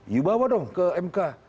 yuk bawa dong ke mk